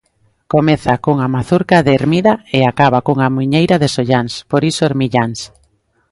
Comeza cunha mazurca de Hermida e acaba cunha muiñeira de Solláns, por iso Hermilláns.